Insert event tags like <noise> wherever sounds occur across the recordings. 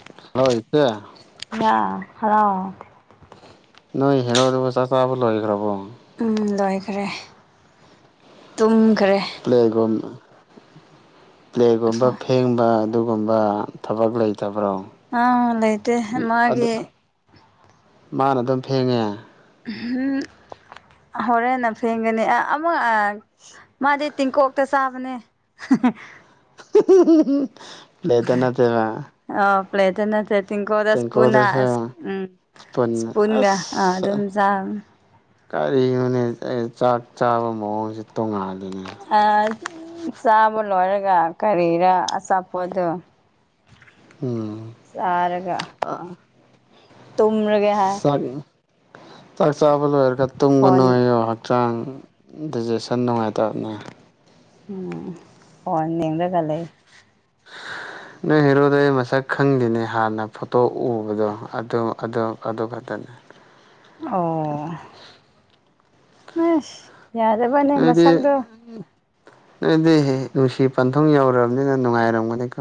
<unintelligible> ꯏꯆꯦ <unintelligible> ꯅꯣꯏ ꯍꯦꯔꯣꯗꯨꯕꯨ ꯆꯥꯛ ꯆꯕꯥ ꯂꯣꯏꯈ꯭ꯔꯕꯣ ꯎꯝ ꯂꯣꯏꯈꯔꯦ ꯇꯨꯝꯈ꯭ꯔꯦ <unintelligible> ꯄ꯭ꯂꯦꯒꯨꯝꯕ ꯐꯦꯡꯕ ꯑꯗꯨꯒꯨꯝꯕ ꯊꯕꯛ ꯂꯩꯇꯕ꯭ꯔꯣ ꯑꯥ ꯂꯩꯇꯦ ꯃꯥꯒꯤ ꯃꯥꯅ ꯑꯗꯨꯝ ꯐꯦꯡꯉꯦ ꯎꯝ ꯍꯣꯔꯦꯟꯅ ꯐꯦꯡꯒꯅꯤ ꯑꯃ ꯃꯥꯗꯤ ꯇꯤꯡꯀꯣꯛꯇ ꯆꯥꯕꯅꯦ ꯄ꯭ꯂꯦꯠꯇ ꯅꯠꯇꯦꯕ ꯑꯧ ꯄ꯭ꯂꯦꯇ ꯅꯠꯇꯦ ꯇꯦꯡꯀꯣꯠꯗ ꯁ꯭ꯄꯨꯟꯅ ꯇꯦꯡꯀꯣꯠꯗꯁꯨ ꯑꯁ ꯎꯝ ꯏꯁꯄꯨꯟ ꯁꯄꯨꯟꯒ ꯑꯥ ꯑꯗꯨꯝ ꯑꯁ ꯆꯥ ꯀꯔꯤꯅꯣꯅꯦ ꯑꯩꯅ ꯆꯥꯛ ꯆꯥꯕ ꯃꯑꯣꯡꯁꯦ ꯇꯣꯡꯉꯥꯜꯂꯤꯅꯦ ꯆꯥꯕ ꯂꯣꯏꯔꯒ ꯀꯔꯤꯔ ꯑꯆꯥꯄꯣꯠꯗꯣ <unintelligible> ꯎꯝ ꯑ ꯇꯨꯝꯔꯒꯦ ꯍꯥꯏ ꯆꯛ ꯆꯥꯛ ꯆꯥꯕ ꯂꯣꯏꯔꯒ ꯇꯨꯝꯒꯅꯨ ꯐꯣꯟ ꯍꯥꯏꯌꯣ ꯍꯛꯆꯥꯡ ꯗꯥꯏꯖꯦꯁꯟ ꯅꯨꯡꯉꯥꯏꯇꯕꯅꯦ ꯎꯝ ꯐꯣꯟ ꯌꯦꯡꯔꯒ ꯂꯩ <unintelligible> ꯅꯣꯏ ꯍꯦꯔꯣꯗꯣ ꯑꯩ ꯃꯁꯛ ꯈꯪꯗꯦꯅꯦ ꯍꯥꯟꯅ ꯐꯣꯇꯣ ꯎꯕꯗꯣ ꯑꯗꯨ ꯑꯗꯨ ꯑꯗꯨꯈꯛꯇꯅꯤ ꯑꯣ <unintelligible> ꯅꯣꯏꯗꯤ ꯃꯁꯛꯗꯣ ꯅꯣꯏꯗꯤ ꯅꯨꯡꯁꯤ ꯄꯟꯊꯨꯡ ꯌꯧꯔꯕꯅꯤꯅ ꯅꯨꯡꯉꯥꯏꯔꯝꯒꯅꯤꯀꯣ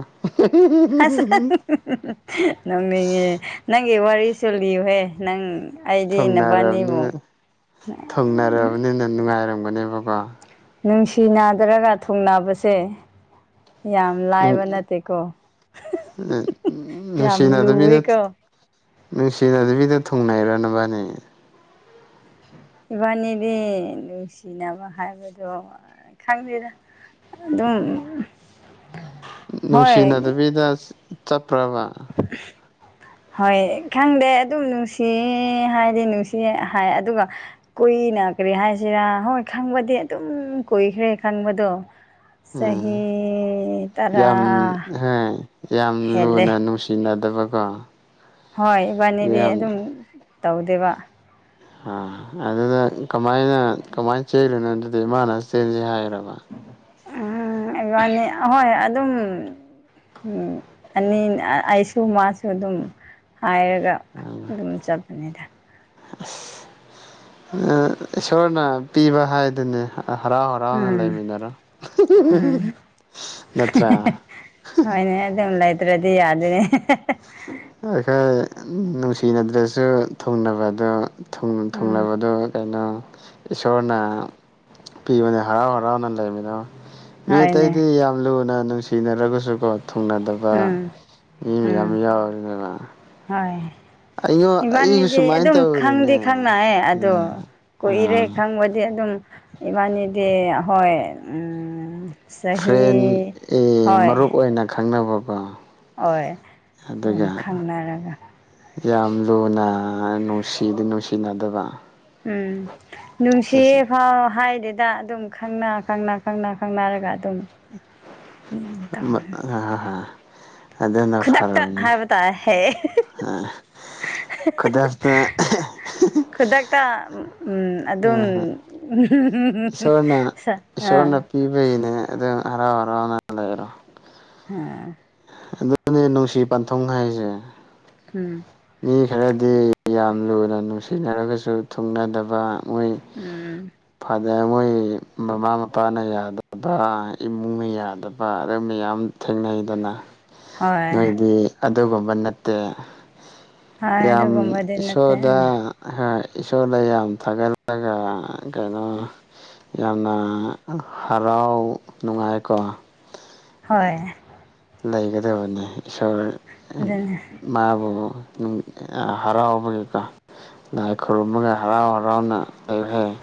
ꯍꯁ ꯍꯥ ꯍꯨꯡ ꯍꯨꯡ ꯍꯨꯡ ꯍꯨꯡ ꯅꯣꯛꯅꯤꯡꯉꯤꯍꯦ ꯅꯪꯒꯤ ꯋꯥꯔꯤꯁꯨ ꯂꯤꯌꯨꯍꯦ ꯅꯪ ꯑꯩꯗꯤ ꯊꯨꯡꯅꯔꯕꯅꯤꯅ ꯅꯕꯥꯅꯤꯕꯨ ꯊꯨꯡꯅꯔꯕꯅꯤꯅ ꯅꯨꯡꯉꯥꯏꯔꯝꯒꯅꯦꯕꯀꯣ ꯅꯨꯡꯁꯤ ꯅꯥꯗ꯭ꯔꯒ ꯊꯨꯡꯅꯕꯁꯦ ꯌꯥꯝ ꯂꯥꯏꯕ ꯅꯠꯇꯦꯀꯣ <unintelligible> ꯌꯥꯝ ꯅꯨꯡꯁꯤꯅꯗꯕꯤꯗ ꯂꯨꯋꯤꯀꯣ ꯅꯨꯡꯁꯤꯅꯗꯕꯤꯗ ꯊꯣꯡꯅꯩꯔꯥ ꯅꯕꯥꯅꯤꯛ ꯏꯕꯥꯅꯤꯗꯤ ꯅꯨꯡꯁꯤꯅꯕ ꯍꯥꯏꯕꯗꯣ ꯈꯪꯗꯦꯗ ꯑꯗꯨꯝ ꯍꯣꯏ ꯅꯨꯡꯁꯤꯅꯗꯕꯤꯗ ꯆꯠꯄ꯭ꯔꯕ ꯍꯣꯏ ꯈꯪꯗꯦ ꯑꯗꯨꯝ ꯅꯨꯡꯁꯤ ꯍꯥꯏꯗꯤ ꯅꯨꯡꯁꯤ ꯍꯥꯏ ꯑꯗꯨꯒ ꯀꯨꯏꯅ ꯀꯔꯤ ꯍꯥꯏꯁꯤꯔꯥ ꯍꯣꯏ ꯈꯪꯕꯗꯤ ꯑꯗꯨꯝ ꯀꯨꯏꯈ꯭ꯔꯦ ꯈꯪꯕꯗꯣ ꯆꯍꯤ ꯎꯝ ꯇꯔꯥ ꯌꯥꯝ ꯍꯣꯏ ꯌꯥꯝ ꯍꯦꯜꯂꯦ ꯂꯨꯅ ꯅꯨꯡꯁꯤꯅꯗꯕꯀꯣ ꯍꯣꯏ ꯏꯕꯥꯅꯤꯗꯤ ꯌꯥꯝ ꯑꯗꯨꯝ ꯇꯧꯗꯦꯕ ꯑꯥ ꯑꯗꯨꯗ ꯀꯃꯥꯏꯅ ꯀꯃꯥꯏꯅ ꯆꯦꯜꯂꯤꯅꯣ ꯑꯗꯨꯗꯤ ꯃꯥꯅ ꯆꯦꯟꯁꯤ ꯍꯥꯏꯔꯥꯕ ꯎꯝ ꯏꯕꯥꯅꯤ ꯑꯍꯣꯏ ꯑꯗꯨꯝ ꯎꯝ ꯑꯅꯤ ꯑꯩꯁꯨ ꯃꯥꯁꯨ ꯑꯗꯨꯝ ꯍꯥꯏꯔꯒ ꯑꯗꯨꯝ ꯆꯠꯄꯅꯤꯗ ꯑꯁ ꯏꯁꯣꯔꯅ ꯄꯤꯕ ꯍꯥꯏꯗꯨꯅꯦ ꯍꯔꯥꯎ ꯍꯔꯥꯎꯅ ꯎꯝ ꯂꯩꯃꯤꯟꯅꯔꯣ ꯎꯝ <unintelligible> ꯅꯠꯇ꯭ꯔꯥ ꯍꯣꯏꯅꯦ ꯑꯗꯨꯝ ꯂꯩꯇ꯭ꯔꯗꯤ ꯌꯥꯗꯣꯏꯅꯦ ꯍꯦ ꯍꯦ ꯍꯦ <unintelligible> ꯅꯨꯡꯁꯤꯅꯗ꯭ꯔꯁꯨ ꯊꯨꯡꯅꯕꯗꯣ ꯊꯨꯡ ꯎꯝ ꯊꯨꯡꯅꯕꯗꯣ ꯀꯩꯅꯣ ꯏꯁꯣꯔꯅ ꯄꯤꯕꯅꯦ ꯍꯔꯥꯎ ꯍꯔꯥꯎꯅ ꯂꯩꯃꯤꯟꯅꯧ ꯃꯤ ꯑꯇꯩꯗꯤ ꯍꯣꯏꯅꯦ ꯌꯥꯝ ꯂꯨꯅ ꯅꯨꯡꯁꯤꯅꯔꯒꯁꯨ ꯀꯣ ꯊꯨꯡꯅꯗꯕ ꯎꯝ ꯃꯤ ꯃꯌꯥꯝ ꯎꯝ ꯌꯥꯎꯔꯤꯅꯦꯕ ꯍꯣꯏ ꯑꯩꯉꯣ ꯑꯩꯁꯨ ꯏꯕꯥꯅꯤꯗꯤ ꯁꯨꯃꯥꯏꯅ ꯑꯗꯨꯝ ꯈꯪꯗꯤ ꯇꯧꯔꯤꯅꯦ ꯈꯪꯅꯩ ꯑꯗꯣ ꯎꯝ ꯀꯨꯏꯔꯦ ꯑꯥ ꯈꯪꯕꯗꯤ ꯑꯗꯨꯝ ꯏꯕꯥꯅꯤꯗꯤ ꯍꯣꯏ ꯎꯝ ꯐ꯭ꯔꯦꯟ ꯆꯍꯤ ꯑꯦ ꯍꯣꯏ ꯃꯔꯨꯞ ꯑꯣꯏꯅ ꯈꯪꯅꯕꯀꯣ ꯍꯣꯏ ꯌꯥꯝ ꯑꯗꯨꯒ ꯈꯪꯅꯔꯒ ꯌꯥꯝ ꯂꯨꯅ ꯅꯨꯡꯁꯤꯗꯤ ꯅꯨꯡꯁꯤꯅꯗꯕ ꯎꯝ ꯅꯨꯡꯁꯤꯌꯦ ꯆꯠꯁꯦ ꯐꯥꯎ ꯍꯥꯏꯗꯦꯗ ꯑꯗꯨꯝ ꯈꯪꯅ ꯈꯪꯅ ꯈꯪꯅ ꯈꯪꯅꯔꯒ ꯑꯗꯨꯝ ꯇꯧꯋꯦ ꯑ ꯍꯥ ꯍꯥ ꯑꯗꯨꯅ ꯐꯔꯕꯅꯦ ꯍꯥꯏꯕ ꯇꯥꯔꯦ ꯍꯦ ꯑ ꯈꯨꯗꯛꯇ ꯑꯦꯍꯦ ꯍꯦ ꯍꯦ ꯈꯨꯗꯛꯇ ꯎꯝ ꯑꯗꯨꯝ ꯎꯝ ꯍꯨꯝ ꯍꯨꯝ ꯍꯨꯝ ꯄꯤꯕꯩꯅꯦ ꯑꯗꯨ ꯍꯔꯥꯎ ꯍꯔꯥꯎꯅ ꯂꯩꯔꯣ ꯍꯥꯥ ꯑꯗꯨꯅꯦ ꯅꯨꯡꯁꯤ ꯄꯟꯊꯨꯡ ꯍꯥꯏꯁꯦ ꯎꯝ ꯃꯤ ꯈꯔꯗꯤ ꯌꯥꯝ ꯂꯨꯅ ꯅꯨꯡꯁꯤꯅꯔꯒꯁꯨ ꯊꯨꯡꯅꯗꯕ ꯃꯣꯏ ꯎꯝ ꯐꯥ ꯑꯗꯩ ꯃꯣꯏ ꯃꯃꯥ ꯃꯄꯥꯅ ꯌꯥꯗꯕ ꯏꯃꯨꯡꯅ ꯌꯥꯗꯕ ꯑꯗꯩ ꯃꯌꯥꯝ ꯊꯦꯡꯅꯩꯗꯅ ꯍꯣꯏ ꯅꯣꯏꯗꯤ ꯑꯗꯨꯒꯨꯝꯕ ꯅꯠꯇꯦ ꯍꯣꯏ ꯌꯥꯝ ꯑꯗꯨꯒꯨꯝꯕꯗꯤ ꯅꯠꯇꯦ ꯏꯁꯣꯔꯗ ꯎꯝ ꯍꯣꯏ ꯏꯁꯣꯔꯗ ꯌꯥꯝ ꯊꯥꯒꯠꯂꯒ ꯀꯩꯅꯣ ꯌꯥꯝꯅ ꯍꯔꯥꯎ ꯅꯨꯡꯉꯥꯏꯀꯣ ꯍꯣꯏ ꯂꯩꯒꯗꯕꯅꯤ ꯏꯁꯣꯔ ꯑꯗꯨꯅꯦ ꯃꯥꯕꯨ ꯅꯨꯡ ꯑꯥ ꯍꯔꯥꯎꯕꯒꯤꯀꯣ ꯂꯥꯏ ꯈꯨꯔꯨꯝꯃꯒ ꯍꯔꯥꯎ ꯍꯔꯥꯎꯅ ꯂꯩꯈꯔ‌ꯦ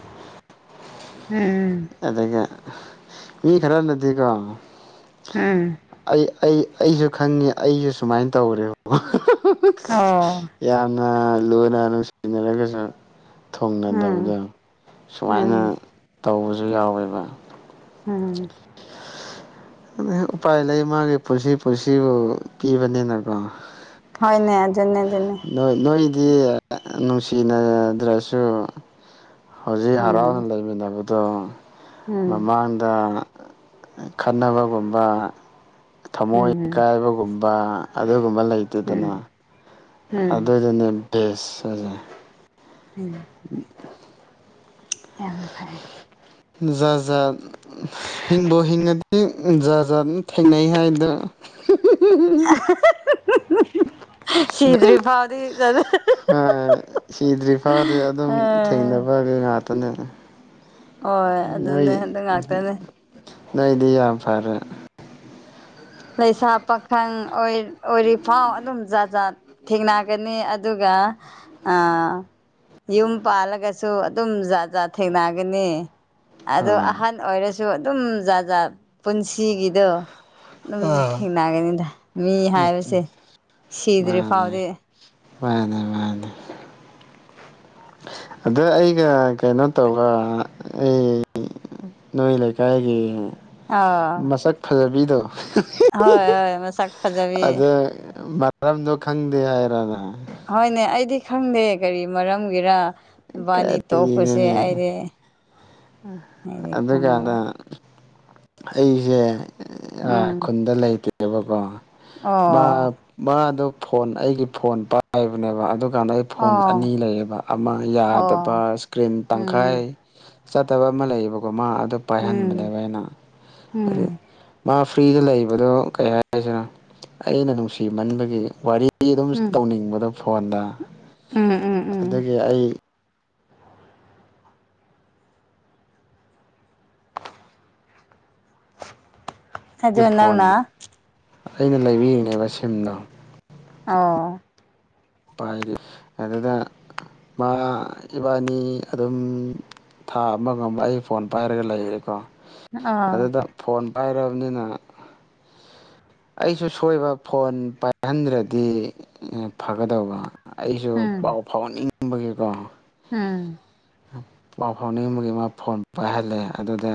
ꯎꯝ ꯎꯝ ꯑꯗꯨꯒ ꯃꯤ ꯈꯔꯅꯗꯤꯀꯣ ꯎꯝ ꯑꯩ ꯑꯩ ꯑꯩꯁꯨ ꯈꯪꯉꯤ ꯑꯩꯁꯨ ꯁꯨꯃꯥꯏꯅ ꯇꯧꯔꯦ ꯑꯣ ꯌꯥꯝꯅ ꯂꯨꯅ ꯅꯨꯡ ꯁꯤꯅꯔꯒꯁꯨ ꯎꯝ ꯊꯣꯡꯅꯗꯕꯗꫭ ꯁꯨꯃꯥꯏꯅ ꯎꯝ ꯇꯧꯕꯁꯨ ꯌꯥꯎꯋꯦꯕ ꯎꯝ ꯎꯄꯥꯏ ꯂꯩ ꯃꯥꯒꯤ ꯄꯨꯟꯁꯤ ꯄꯨꯟꯁꯤꯕꯨ ꯄꯤꯕꯅꯤꯅꯀꯣ ꯍꫭꯏꯅꯦ ꯑꯗꯨꯅ‌ꯦ ꯑꯗꯨꯅ‌ꯦ ꯅꯣꯏ ꯅꯣꯏꯗꯤ ꯅꯨꯡꯁꯤꯅꯗ꯭ꯔꯁꯨ ꯍꯧꯖꯤꯛ ꯍꯔꯥꯎꯅ ꯎꯝ ꯂꯩꯃꯤꯟꯅꯕꯗꯣ ꯎꯝ ꯃꯃꯥꯡꯗ ꯈꯠꯅꯕꯒꯨꯝꯕ ꯊꯃꯣꯏ ꯎꯝ ꯏꯀꯥꯏꯕꯒꯨꯝꯕ ꯑꯗꯨꯒꯨꯝꯕ ꯂꯩꯇ‌ꯦꯗꯅ ꯎꯝ ꯎꯝ ꯑꯗꯨꯗꯨꯅ‌ꯦ ꯕꯦꯁ ꯍꯥꯏꯁꯦ ꯎꯝ ꯎꯝ <unintelligible> ꯌꯥꯝ ꯐꯩ ꯖꯥ ꯖꯥꯠ ꯍꯤꯡꯕ ꯍꯤꯡꯉꯗꯤ ꯖꯥ ꯖꯥꯠ ꯊꯦꯡꯅꯩ ꯍꯥꯏꯕꯗꯨ ꯁꯤꯗꯔꯤ ꯐꯥꯎꯗꯤ ꯁꯤꯗ꯭ꯔꯤ ꯐꯥꯎꯗꯤ ꯑꯗꯨꯝ ꯎꯝ ꯊꯦꯡꯅꯕꯒꯤ ꯉꯥꯛꯇꯅꯦ ꯍꯣꯏ ꯅꯣꯏ ꯑꯗꯨꯅꯦ ꯑꯗꯨ ꯉꯥꯛꯇꯅꯦ ꯅꯣꯏꯗꯤ ꯌꯥꯝ ꯐꯔꯦ ꯂꯩꯁꯥ ꯄꯥꯈꯪ ꯑꯣꯏꯔꯤꯐꯥꯎ ꯑꯗꯨꯝ ꯖꯥꯠ ꯖꯥꯠ ꯊꯦꯡꯅꯒꯅꯤ ꯑꯗꯨꯒ ꯑꯥ ꯌꯨꯝ ꯄꯥꯜꯂꯒꯁꯨ ꯑꯗꯨꯝ ꯖꯥꯠ ꯖꯥꯠ ꯊꯦꯡꯅꯒꯅꯤ ꯑꯗꯣ ꯍꯣꯏ ꯑꯍꯟ ꯑꯣꯏꯔꯁꯨ ꯑꯗꯨꯝ ꯖꯥ ꯖꯥꯠ ꯄꯨꯟꯁꯤꯒꯤꯗꯣ ꯑꯗꯨꯝ ꯑꯥ ꯊꯦꯡꯅꯒꯅꯤꯗ ꯃꯤ ꯍꯥꯏꯕꯁꯦ ꯁꯤꯗ꯭ꯔꯤ ꯃꯥꯅꯦ ꯐꯥꯎꯗꯤ ꯃꯥꯅꯦ ꯃꯥꯅꯦ ꯑꯗꯨ ꯑꯩꯒ ꯀꯩꯅꯣ ꯇꯧꯕ ꯃꯤ ꯅꯣꯏ ꯂꯩ ꯀꯥꯏꯒꯤ ꯑꯥ ꯍꯣꯏ ꯍꯣꯏ ꯃꯁꯛ ꯐꯖꯕꯤ ꯑꯗꯨ ꯃꯔꯝꯗꯣ ꯈꯪꯗꯦ ꯍꯥꯏꯔ ꯅꯪ ꯍꯣꯏꯅꯦ ꯑꯩꯗꯤ ꯈꯪꯗꯦ ꯀꯔꯤ ꯃꯔꯝꯒꯤꯔ ꯅꯕꯥꯅꯤ ꯇꯣꯛꯄꯁꯦ ꯀꯔꯤꯅꯣꯅꯦ ꯑꯩꯗꯤ ꯑꯩꯗꯤ ꯈꯪꯗꯕ ꯑꯗꯨꯀꯥꯟꯗ ꯑꯩꯁꯦ ꯑꯥ ꯎꯝ ꯈꯨꯟꯗ ꯂꯩꯇꯦꯕꯀꯣ ꯃꯥ ꯑꯣ ꯃꯥꯗꫭ ꯐꯣꯟ ꯑꯩꯒꯤ ꯐꯣꯟ ꯄꯥꯏꯕꯅꯦꯕ ꯑꯗꯨ ꯑꯗꯨ ꯀꯥꯟꯗ ꯑꯩ ꯐꯣꯟ ꯑꯣ ꯑꯅꯤ ꯂꯩꯌꯦꯕ ꯑꯃ ꯌꯥꯗꯕ ꯑꯣ ꯏꯁꯀ꯭ꯔꯤꯟ ꯇꯪꯈꯥꯏ ꯎꯝ ꯆꯠꯇꯕ ꯑꯃ ꯂꯩꯌꯦꯕꯀꯣ ꯃꯥ ꯑꯗꯨ ꯎꯝ ꯄꯥꯏꯍꯟꯕꯅꯦꯕ ꯑꯩꯅ ꯎꯝ ꯍꯥꯏꯗꯤ ꯃꯥ ꯐ꯭ꯔꯤꯗ ꯂꯩꯕꯗꯣ ꯀꯩ ꯍꯥꯏꯁꯤꯔꯤ ꯑꯩꯅ ꯅꯨꯡꯁꯤꯃꯟꯕꯒꯤ ꯋꯥꯔꯤ ꯋꯔꯤ ꯑꯗꯨꯝ ꯎꯝ ꯇꯧꯅꯤꯡꯕꯗ ꯐꯣꯟꯗ ꯎꯝ ꯎꯝ ꯎꯝ ꯑꯗꯨꯒꯤ ꯑꯩ ꯑꯗꯨ ꯐꯣꯟ ꯅꯪꯅ ꯑꯩꯅ ꯂꯩꯕꯤꯔꯤꯅꯦꯕ ꯁꯤꯝꯗꯣ ꯑꯣ ꯄꯥꯏꯔꯤ ꯑꯗꯨꯅ ꯃꯥ ꯏꯕꯥꯅꯤ ꯑꯗꯨꯝ ꯊꯥ ꯑꯃꯒꯨꯝꯕ ꯑꯩ ꯐꯣꯟ ꯄꯥꯏꯔꯒ ꯂꯩꯈꯔꯦꯀꯣ ꯑ ꯑꯗꯨꯗ ꯐꯣꯟ ꯄꯥꯏꯔ ꯕꯅꯤꯅ ꯑꯩꯁꯨ ꯁꯣꯏꯕ ꯐꯣꯟ ꯄꯥꯏꯍꯟꯗ꯭ꯔꯗꯤ ꯀꯗꯧꯕ ꯑꯩꯁꯨ ꯎꯝ ꯄꯥꯎ ꯐꯥꯎꯍꯟꯅꯤꯡꯕꯒꯤꯀꯣ ꯎꯝ ꯄꯥꯎ ꯐꯥꯎꯅꯤꯡꯕꯒꯤ ꯑꯃ ꯐꯣꯟ ꯄꯥꯏꯍꯜꯂꯦ ꯑꯗꯨꯗ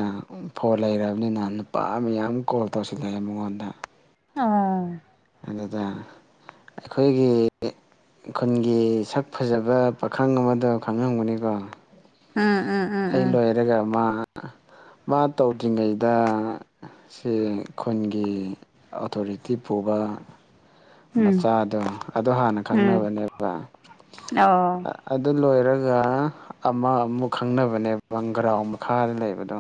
ꯐꯣꯟ ꯂꯩꯔꯕꯅꯤꯅ ꯅꯨꯄꯥ ꯃꯥꯌꯥꯝ ꯀꯣꯜ ꯇꯧꯁꯤꯜꯂꯛꯑꯦ ꯃꯉꯣꯟꯗ ꯑꯥ ꯑꯗꯨꯗ ꯑꯩꯈꯣꯏꯒꯤ ꯈꯨꯟꯒꯤ ꯁꯛ ꯐꯖꯕ ꯄꯥꯈꯪ ꯑꯃꯗꯣ ꯈꯪꯍꯝꯒꯅꯤꯀꯣ ꯎꯝ ꯎꯝ ꯎꯝ ꯑꯩ ꯂꯣꯏꯔꯒ ꯃꯥ ꯃꯥ ꯇꯧꯗ꯭ꯔꯤꯉꯩꯗ ꯁꯤ ꯈꯨꯟꯒꯤ ꯑꯣꯊꯣꯔꯤꯇꯤ ꯄꯨꯕ ꯎꯝ ꯃꯆꯥꯗꯣ ꯑꯗꯣ ꯍꯥꯟꯅ ꯎꯝ ꯎꯝ ꯈꯪꯅꯕꯅꯦꯕ ꯑꯣ ꯑꯗꯨ ꯂꯣꯏꯔꯒ ꯑꯃ ꯑꯃꯨꯛ ꯈꯪꯅꯕꯅꯦꯕ ꯒ꯭ꯔꯥꯎ ꯃꯈꯥꯗ ꯂꯩꯕꯗꯣ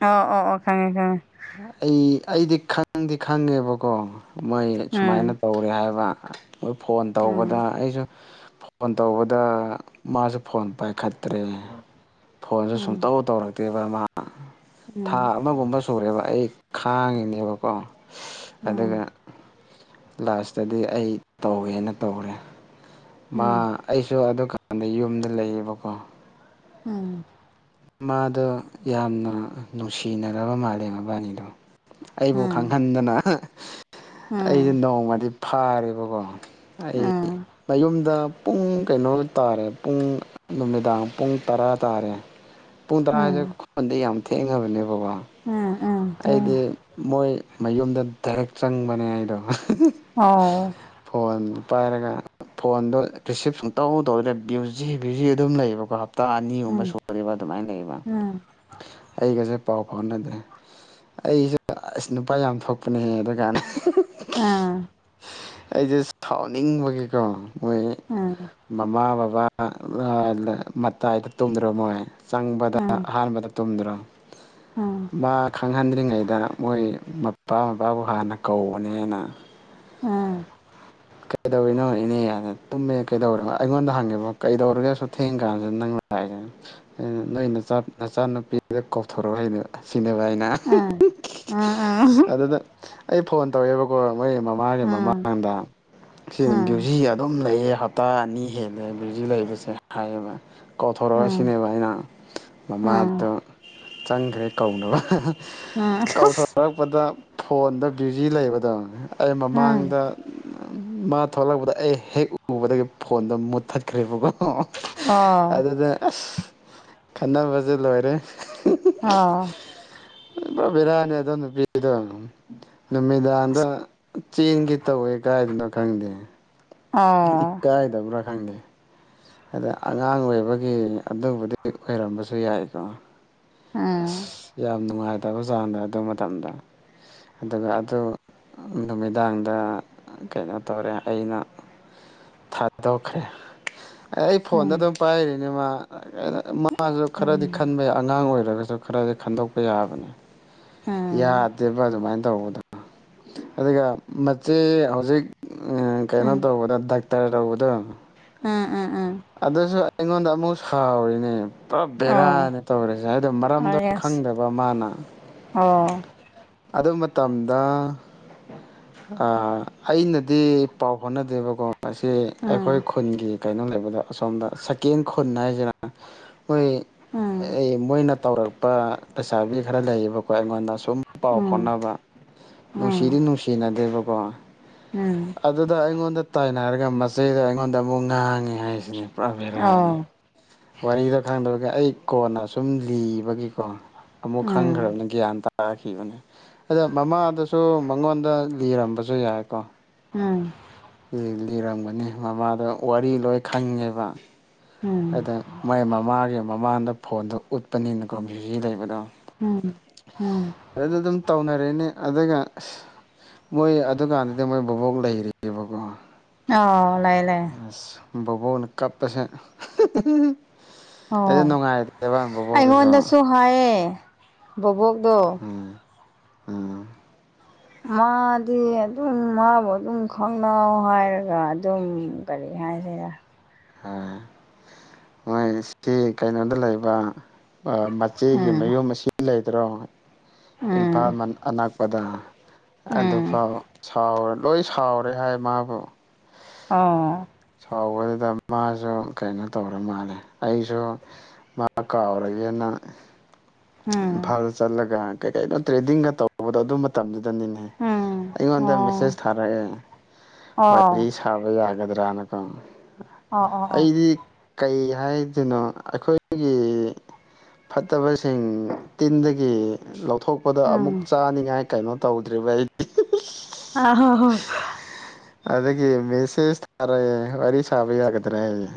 ꯑꯣ ꯑꯣ ꯑꯣ ꯈꯪꯉꯦ ꯈꯉꯦ ꯑꯩ ꯑꯩꯗꯤ ꯈꯪꯗꯤ ꯈꯪꯉꯦꯕꯀꯣ ꯃꯣꯏ ꯁꯨꯃꯥꯏꯅ ꯈꯪꯉꯦ ꯇꯧꯔꯦ ꯍꯥꯏꯕ ꯃꯣꯏ ꯐꯣꯟ ꯇꯧꯕꯗ ꯎꯝ ꯑꯩꯁꯨ ꯐꯣꯟ ꯇꯧꯕꯗ ꯃꯥꯁꯨ ꯐꯣꯟ ꯄꯥꯏꯈꯠ ꯇꯔ꯭ꯦ ꯐꯣꯟꯁꯨ ꯎꯝ ꯁꯨꯡꯇꯧ ꯇꯧꯔꯛꯇꯦꯕ ꯃꯥ ꯎꯝ ꯊꯥ ꯎꯝ ꯑꯃꯒꯨꯝꯕ ꯁꯨꯔꯦꯕ ꯑꯩ ꯈꯥꯡꯉꯤꯅꯦꯕꯀꯣ ꯑꯗꯨꯒ ꯂꯥꯁꯇꯗꯤ ꯑꯩ ꯇꯧꯋꯦꯅ ꯇꯧꯔꯦ ꯃꯥ ꯎꯝ ꯎꯝ ꯑꯩꯁꯨ ꯑꯗꯨꯀꯥꯟꯗ ꯌꯨꯝꯗ ꯂꯩꯌꯦꯕꯀꯣ ꯎꯝ ꯃꯥꯗꯣ ꯌꯥꯝꯅ ꯅꯨꯡꯁꯤꯅꯔꯕ ꯃꯥꯂꯦ ꯃꯕꯥꯅꯤꯗꯣ ꯑꯩꯕꯨ ꯎꯝ ꯎꯝ ꯎꯝ ꯎꯝ ꯈꯪꯍꯟꯗꯅ ꯑꯩꯁꯦ ꯅꯣꯡꯃꯗꯤ ꯐꯥꯔꯦꯕꯀꯣ ꯑꯩ ꯃꯌꯨꯝꯗ ꯄꯨꯡ ꯀꯩꯅꯣ ꯇꯥꯔꯦ ꯄꯨꯡ ꯅꯨꯃꯤꯗꯥꯡ ꯄꯨꯡ ꯇꯔꯥ ꯇꯥꯔꯦ ꯄꯨꯡ ꯇꯔꯥ ꯍꯥꯏꯁꯦ ꯈꯨꯟꯗ ꯌꯥꯝ ꯊꯦꯡꯉꯅꯕꯅꯦ ꯒꯣ ꯑꯩꯗꯤ ꯃꯣꯏ ꯃꯌꯨꯝꯗ ꯗꯥꯏꯔꯦꯛ ꯆꯪꯕꯅꯦ ꯑꯩꯗꯣ ꯑꯣ ꯐꯣꯟꯗꯨ ꯄꯥꯏꯔꯒ ꯐꯣꯟꯗꯣ ꯔꯤꯁꯤꯞ ꯁꯨꯡꯇꯧ ꯇꯧꯗꯦ ꯚꯌꯨꯖꯤ ꯚ꯭ꯌꯨꯖꯤ ꯑꯗꯨꯝ ꯂꯩꯌꯦꯕꯀꯣ ꯍꯇꯥ ꯑꯅꯤꯒꯨꯝꯕ ꯁꯨꯔꯤꯕ ꯑꯗꯨꯃꯥꯏꯅ ꯂꯩꯕ ꯑꯩꯒꯁꯦ ꯄꯥꯎ ꯐꯥꯎꯅꯗ꯭ꯔꯦ ꯑꯩꯁꯨ ꯑꯁ ꯅꯨꯄꯥ ꯌꯥꯝ ꯊꯣꯛꯄꯅꯦꯍ ꯑꯗꯨ ꯀꯥꯟꯅ ꯎꯝ ꯑꯩꯁꯦ ꯁꯥꯎꯅꯤꯡꯕꯒꯤꯀꯣ ꯃꯣꯏ ꯎꯝ ꯃꯃꯥ ꯕꯕꯥ ꯃꯇꯥꯏꯗ ꯇꯨꯝꯗ꯭ꯔꯣ ꯃꯣꯏ ꯆꯪꯕꯗ ꯑꯍꯥꯟꯕꯗ ꯇꯨꯝꯗ꯭ꯔꯣ ꯎꯝ ꯃꯥ ꯈꯪꯍꯟꯗ꯭ꯔꯤꯉꯩꯗ ꯃꯣꯏ ꯃꯄꯥ ꯃꯄꯥꯕꯨ ꯍꯥꯟꯅ ꯀꯧꯕꯅꯦꯅ ꯎꯝ ꯀꯩꯗꯧꯔꯤꯅꯣ ꯏꯅꯦꯗ ꯇꯨꯝꯃꯦ ꯀꯩꯗꯧꯔꯅꯣ ꯑꯩꯉꯣꯟꯗ ꯍꯪꯉꯦꯕꯣ ꯀꯩꯗꯧꯔꯒꯦꯁꯨ ꯊꯦꯡ ꯀꯥꯟꯁꯤꯗ ꯅꯪꯁꯤꯅ ꯅꯣꯏꯆꯥ ꯅꯆꯥꯅꯨꯄꯤꯗ ꯀꯥꯎꯊꯣꯔꯛꯑꯣ ꯍꯥꯏꯅꯦꯕ ꯁꯤꯅꯦꯕ ꯑꯩꯅ ꯑ ꯎ ꯑ ꯑꯗꯨꯗ ꯑꯩ ꯐꯣꯟ ꯇꯧꯋꯦꯕꯀꯣ ꯃꯣꯏꯒꯤ ꯃꯃꯥꯡꯒꯤ ꯃꯃꯥꯡꯗ ꯁꯤ ꯕ꯭ꯌꯨꯖꯤ ꯑꯗꯨꯝ ꯂꯩꯌꯦ ꯍꯞꯇꯥ ꯑꯅꯤ ꯍꯦꯜꯂꯦ ꯕ꯭ꯌꯨꯖꯤ ꯂꯩꯕꯁꯦ ꯍꯥꯏꯌꯦꯕ ꯀꯧꯊꯣꯔꯛ ꯑꯣ ꯁꯤꯅꯦꯕ ꯑꯩꯅ ꯃꯃꯥꯗ ꯆꯪꯈ꯭ꯔꯦ ꯀꯧꯅꯕ ꯑꯁ ꯀꯧꯊꯣꯔꯛꯄꯗ ꯐꯣꯟꯗ ꯕꯤꯖꯤ ꯂꯩꯕꯗꯣ ꯑꯩ ꯎꯝ ꯃꯃꯥꯡꯗ ꯃꯥ ꯊꯣꯛꯂꯛꯄꯗ ꯑꯩ ꯍꯦꯛ ꯎꯕꯗꯒꯤ ꯐꯣꯟꯗꯣ ꯃꯨꯠꯊꯠꯈ꯭ꯔꯦꯕꯀꯣ ꯑꯣ ꯑꯗꯨꯗ ꯑꯁ ꯈꯟꯅꯕꯁꯦ ꯂꯣꯏꯔꯦ ꯑꯣ ꯏ ꯕꯤꯔꯌꯥꯅꯤ ꯑꯗ ꯅꯨꯃꯤꯗꯥꯡꯗ ꯆꯦꯟꯒꯤ ꯇꯧꯋꯦ ꯀꯥꯏꯗꯅꯣ ꯈꯪꯗꯦ ꯑꯣ ꯏꯀꯥꯏꯗꯕ꯭ꯔꯥ ꯈꯪꯗꯦ ꯑꯗ ꯑꯉꯥꯡ ꯑꯣꯏꯕꯒꯤ ꯑꯗꯨꯕꯨꯗꯤ ꯑꯣꯏꯔꯝꯕꯁꯨ ꯌꯥꯏꯀꯣ ꯑꯁ ꯎꯝ ꯌꯥꯝ ꯅꯨꯡꯉꯥꯏꯇꯕ ꯆꯥꯡꯗ ꯑꯗꯨ ꯃꯇꯝꯗ ꯑꯗꯨꯒ ꯑꯗꯨ ꯅꯨꯃꯤꯗꯥꯡꯗ ꯀꯩꯅꯣ ꯇꯧꯔꯦ ꯑꯩꯅ ꯊꯥꯗꯈꯦ ꯑꯦ ꯑꯩ ꯐꯣꯟꯗ ꯎꯝ ꯑꯗꯨꯝ ꯄꯥꯏꯔꯤꯅꯦ ꯃꯥ ꯃꯥꯁꯨ ꯎꯝ ꯈꯔꯗꯤ ꯎꯝ ꯈꯟꯕ ꯌꯥ ꯑꯉꯥꯡ ꯑꯣꯏꯔꯒꯁꯨ ꯑꯗꯨ ꯈꯔꯗꯤ ꯈꯟꯗꯣꯛꯄ ꯌꯥꯕꯅꯦ ꯌꯥꯗꯦꯕ ꯑꯗꯨꯃꯥꯏꯅ ꯇꯧꯕꯗꯣ ꯑꯗꯨꯒ ꯃꯦ ꯍꯧꯖꯤꯛ ꯀꯩꯅꯣ ꯇꯧꯕꯗ ꯇꯔꯧꯕꯗꯣ ꯎꯥ ꯎ ꯎ ꯑꯗꯨꯁꯨ ꯑꯩꯉꯣꯟꯗ ꯑꯃꯨꯛ ꯁꯥꯎꯔꯤꯅꯦ ꯄꯨꯂꯞ ꯑꯣ ꯕꯦꯔꯥꯅꯤ ꯇꯧꯔꯤꯁꯦ ꯍꯥꯏꯗꯣ ꯑꯣ ꯃꯔꯝꯗꯣ ꯌꯦꯁ ꯈꯪꯗꯕ ꯃꯥꯅ ꯑꯣ ꯑꯗꯨ ꯃꯇꯝꯗ ꯑꯥ ꯑꯩꯅꯗꯤ ꯄꯥꯎ ꯍꯣꯠꯅꯗꯦꯕꯀꯣ ꯃꯁꯤ ꯑꯩꯈꯣꯏ ꯎꯝ ꯈꯨꯟꯒꯤ ꯀꯩꯅꯣ ꯂꯩꯕꯗ ꯑꯁꯣꯝꯗ ꯁꯀꯦꯟ ꯈꯨꯟ ꯍꯥꯏꯁꯤꯔ ꯃꯣꯏ ꯎꯝ ꯃꯣꯏꯅ ꯇꯧꯔꯛꯄ ꯂꯩꯩꯁꯥꯕꯤ ꯈꯔ ꯂꯩꯌꯦꯕꯀꯣ ꯑꯩꯉꯣꯟꯗꯨꯝ ꯁꯨꯝ ꯄꯥꯎ ꯎꯝ ꯈꯣꯠꯅꯕ ꯅꯨꯡꯁꯤꯗꯤ ꯎꯝ ꯅꯨꯡꯁꯤꯅꯗꯦꯕꯀꯣ ꯎꯝ ꯑꯗꯨꯗ ꯑꯩꯉꯣꯟꯗ ꯇꯥꯏꯅꯔꯒ ꯃꯆꯩꯗ ꯑꯩꯉꯣꯟꯗ ꯑꯃꯨꯛ ꯉꯥꯡꯉꯤ ꯍꯥꯏꯁꯤꯅꯦ ꯑꯣ ꯄ꯭ꯔꯥꯚꯦꯔꯥꯅꯦ ꯎꯝ ꯋꯥꯔꯤꯗ ꯈꯪꯗꯕꯒꯤ ꯑꯩ ꯀꯣꯟꯅ ꯁꯨꯝ ꯂꯤꯕꯒꯤꯀꯣ ꯑꯃꯨꯛ ꯎꯝ ꯈꯪꯈ꯭ꯔꯕꯅꯤ ꯎꯝ ꯒ꯭ꯌꯥꯟ ꯇꯥꯈꯤꯕꯅꯦ ꯑꯗ ꯃꯃꯥꯗꯁꯨ ꯑꯗꯨ ꯃꯉꯣꯟꯗ ꯂꯤꯔꯝꯕꯁꯨ ꯌꯥꯏꯀꯣ ꯎꯝ ꯂꯤꯔꯝꯒꯅꯤ ꯃꯃꯥꯗ ꯋꯥꯔꯤ ꯂꯣꯏ ꯈꯪꯉꯦꯕ ꯑꯗ ꯎꯝ ꯃꯣꯏ ꯃꯃꯥꯒꯤ ꯃꯃꯥꯡꯗ ꯐꯣꯟꯗꯣ ꯎꯠꯄꯅꯤꯅ ꯀꯣꯁꯤꯖꯤ ꯂꯩꯕꯗꯣ ꯎꯝ ꯑꯗꯨꯗ ꯑꯗꯨꯝ ꯇꯧꯅꯔꯛꯅꯤ ꯑꯗꯨꯒ ꯃꯣꯏ ꯑꯗꯨꯀꯥꯟꯗꯨꯗꯤ ꯃꯣꯏ ꯕꯣꯛ ꯂꯩꯔꯤ ꯌꯦꯕꯒ ꯑꯣ ꯂꯩ ꯂꯩ ꯑꯁ ꯕꯕꯣꯛꯅ ꯀꯞꯄꯁꯦ ꯑꯩꯁꯨ ꯅꯨꯡꯉꯥꯏꯗꯦꯕ ꯄꯨꯕꯣꯛꯗꯨꯁꯨ ꯍꯥꯏꯥꯏ ꯕꯕꯣꯛꯗꯣ ꯎꯝ ꯎꯝ ꯃꯥꯗꯤ ꯑꯗꯨꯝ ꯃꯥꯕꯨ ꯑꯗꯨꯝ ꯈꯪꯅꯧ ꯍꯥꯏꯔꯒ ꯑꯗꯨꯝ ꯀꯔꯤ ꯍꯥꯏꯁꯤꯔ ꯍꯣꯏ ꯃꯣꯏ ꯁꯤ ꯀꯩꯅꯣꯗ ꯂꯩꯕ ꯏꯆꯦꯒꯤ ꯎꯝ ꯃꯌꯨꯝ ꯑꯁꯤ ꯂꯩꯗ꯭ꯔꯣ ꯏꯝꯐꯥꯜ ꯎꯝ ꯑꯅꯛꯄꯗ ꯎꯝ ꯑꯗꯨꯐꯥꯎ ꯁꯥꯎ ꯂꯣꯏ ꯁꯥꯎꯔꯦ ꯍꯥꯏ ꯃꯥꯕꯨ ꯑꯥ ꯁꯥꯎꯕꯗꯨꯗ ꯃꯥꯁꯨ ꯀꯩꯅꯣ ꯇꯧꯔ ꯃꯥꯜꯂꯦ ꯑꯩꯁꯨ ꯃꯥ ꯀꯥꯎꯔꯒꯦꯅ ꯎꯝ ꯏꯝꯐꯥꯜꯗ ꯆꯠꯂꯒ ꯀꯩ ꯀꯩꯅꯣ ꯇ꯭ꯔꯦꯗꯤꯡꯒ ꯇꯧꯕꯗꯣ ꯑꯗꯨ ꯃꯇꯝꯗꯨꯗꯅꯤꯅꯦ ꯎꯝ ꯑꯩꯉꯣꯟꯗ ꯑꯣ ꯃꯦꯁꯦꯁ ꯊꯥꯔꯛꯑꯦ ꯋꯥꯔꯤ ꯑꯣ ꯁꯥꯕ ꯌꯥꯒꯗ꯭ꯔꯥꯅ ꯑꯣ ꯑꯣ ꯑꯣ ꯑꯩꯗꯤ ꯀꯩ ꯍꯥꯏꯗꯣꯏꯅꯣ ꯑꯩꯈꯣꯏꯒꯤ ꯐꯠꯇꯕꯁꯤꯡ ꯇꯤꯟꯗꯒꯤ ꯂꯧ ꯊꯣꯛꯄꯗ ꯑꯃꯨꯛ ꯎꯝ ꯆꯥꯅꯤꯡꯉꯥꯏ ꯀꯩꯅꯣ ꯇꯧꯗ꯭ꯔꯤꯕ ꯑꯩ <inaudible> ꯑꯗꯒꯤ ꯃꯦꯁꯦꯁ ꯊꯥꯔꯛꯑꯦ ꯋꯥꯔꯤ ꯁꯥꯕ ꯌꯥꯒꯗ꯭ꯔꯥ ꯍꯥꯏꯌꯦ